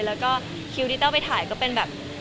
แล้วก็คิวที่เต้าไปถ่ายก็เป็นแบบ